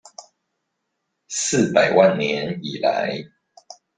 四百萬年以來